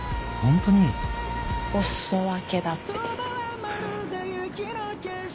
お裾分けだって。